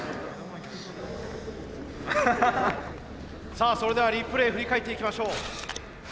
さあそれではリプレー振り返っていきましょう。